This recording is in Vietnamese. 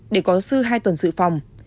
để có sư hai tuần sự phòng